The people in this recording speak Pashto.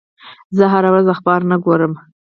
زه هره ورځ اخبار نه ګورم.